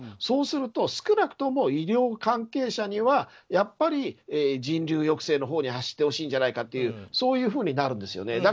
そうすると少なくとも医療関係者にはやっぱり人流抑制のほうに走ってほしいんじゃないかというそういうふうになるんですね。